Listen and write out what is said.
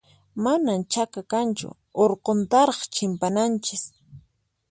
Manan chaka kanchu, urquntaraq chimpananchis.